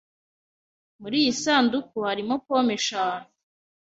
Muri iyi sanduku harimo pome eshanu.